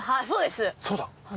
「そうだ！